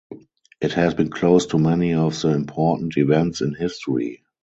It has been close to many of the important events in history.